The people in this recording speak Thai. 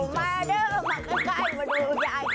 มาแล้วมาแล้วมาใกล้